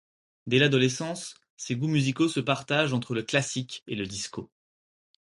Dès l'adolescence, ses goûts musicaux se partagent entre le classique et le disco.